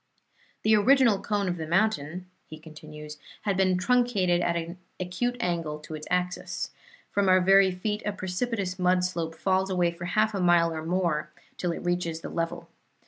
"The original cone of the mountain," he continues, "had been truncated at an acute angle to its axis. From our very feet a precipitous mud slope falls away for half a mile or more till it reaches the level.